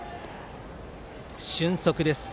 俊足です。